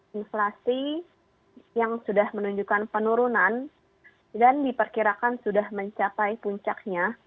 inflasi yang sudah menunjukkan penurunan dan diperkirakan sudah mencapai puncaknya